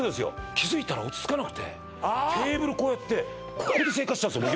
気づいたら落ち着かなくてテーブルこうやってここで生活してたんですよ